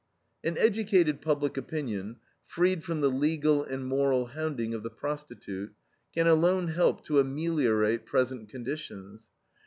" An educated public opinion, freed from the legal and moral hounding of the prostitute, can alone help to ameliorate present conditions.